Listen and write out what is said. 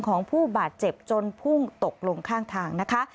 ของผู้บาดเจ็บจนพุ่งตกลงข้างทางนะคะ